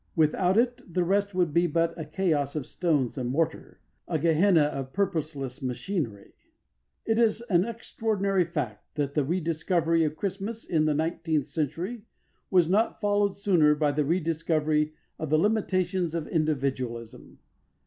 Without it the rest would be but a chaos of stones and mortar a Gehenna of purposeless machinery. It is an extraordinary fact that the rediscovery of Christmas in the nineteenth century was not followed sooner by the rediscovery of the limitations of individualism.